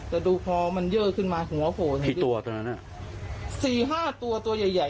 แต่ดูพอมันเยอะขึ้นมาหัวโหดกี่ตัวตรงนั้นอ่ะสี่ห้าตัวตัวใหญ่ใหญ่